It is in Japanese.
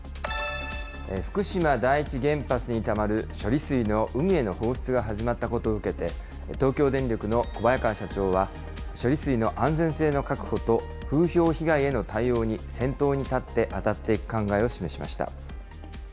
福島第一原発にたまる処理水の海への放出が始まったことを受けて、東京電力の小早川社長は、処理水の安全性の確保と、風評被害への対応に先頭に立って当たっていく考えを示しました。